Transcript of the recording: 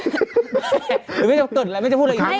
หรือไม่จะเกิดอะไรแม่จะพูดอะไรอีก